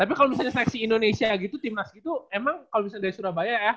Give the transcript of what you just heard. tapi kalau misalnya seleksi indonesia gitu timnas gitu emang kalau misalnya dari surabaya ya